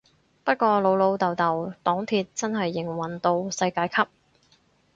不過老老豆豆黨鐵真係營運到世界級